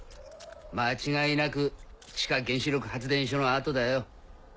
間違いなく地下原子力発電所の跡だよ。